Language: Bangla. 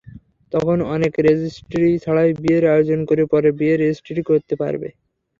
তখন অনেকে রেজিস্ট্রি ছাড়াই বিয়ের আয়োজন করে পরে বিয়ে রেজিস্ট্রি করবে।